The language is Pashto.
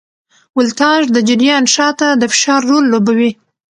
ولتاژ د جریان شاته د فشار رول لوبوي.